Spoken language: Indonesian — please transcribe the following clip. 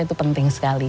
itu penting sekali